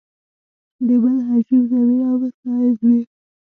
د بل هجوم زمینه مساعد وي.